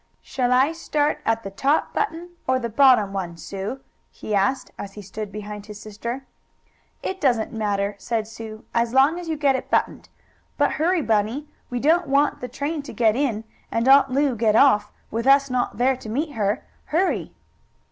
"Shall I start at the top button, or the bottom one, Sue?" he asked, as he stood behind his sister. "It doesn't matter," said Sue, "as long as you get it buttoned. But hurry, Bunny. We don't want the train to get in, and Aunt Lu get off, with us not there to meet her. Hurry!"